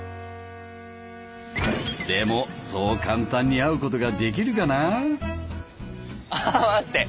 でもそう簡単に会うことができるかな？